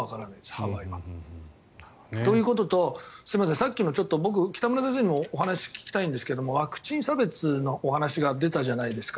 ハワイは。ということと僕、北村先生にもお話聞きたいんですがワクチン差別のお話が出たじゃないですか。